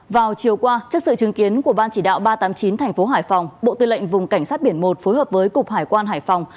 vào chiều qua trước sự chứng kiến của ban chỉ đạo ba trăm tám mươi chín thành phố hải phòng bộ tư lệnh vùng cảnh sát biển một phối hợp với cục hải quan hải phòng